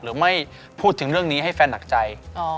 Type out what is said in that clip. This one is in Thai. หรือไม่พูดถึงเรื่องนี้ให้แฟนหนักใจ